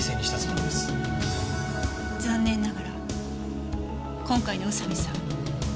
残念ながら今回の宇佐見さん